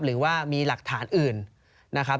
หรือว่ามีหลักฐานอื่นนะครับ